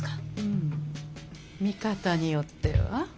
うん見方によっては。